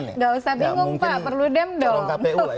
nggak usah bingung pak perludem dong